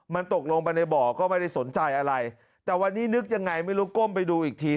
มันตกลงไปในบ่อก็ไม่ได้สนใจอะไรแต่วันนี้นึกยังไงไม่รู้ก้มไปดูอีกที